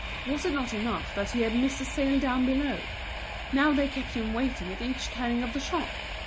Was it not enough that he had missed a sale down below? Now they kept him waiting at each turning of the shop!